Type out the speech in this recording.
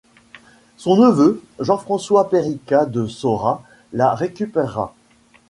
Son neveu, Jean-François Péricat de Saurat, la récupéra.